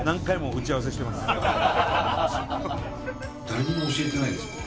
誰にも教えてないんですここ。